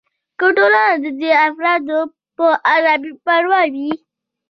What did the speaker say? که ټولنه د دې افرادو په اړه بې پروا وي.